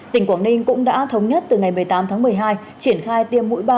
tỉnh quảng ninh cũng đã thống nhất từ ngày một mươi tám tháng một mươi hai triển khai tiêm mũi ba